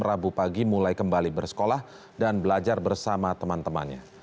rabu pagi mulai kembali bersekolah dan belajar bersama teman temannya